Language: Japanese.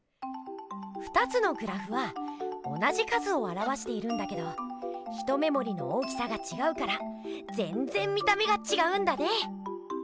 ２つのグラフは同じ数をあらわしているんだけど一目もりの大きさがちがうからぜんぜん見た目がちがうんだね！